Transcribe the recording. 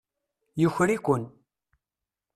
Yuker-iken.